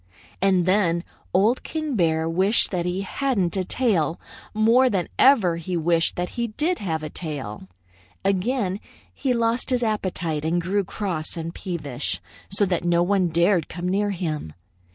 "And then Old King Bear wished that he hadn't a tail more than ever he wished that he did have a tail. Again he lost his appetite and grew cross and peevish, so that no one dared come near him.